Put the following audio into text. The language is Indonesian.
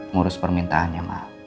ngurus permintaannya ma